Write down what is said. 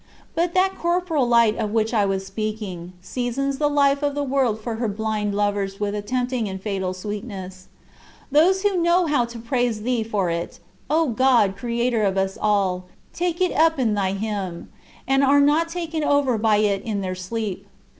But that corporeal light, of which I was speaking, seasons the life of the world for her blind lovers with a tempting and fatal sweetness. Those who know how to praise thee for it, "O God, Creator of Us All," take it up in thy hymn, and are not taken over by it in their sleep.